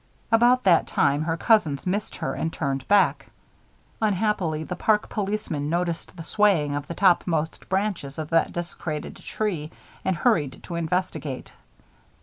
About that time, her cousins missed her and turned back. Unhappily, the park policeman noticed the swaying of the topmost branches of that desecrated tree and hurried to investigate.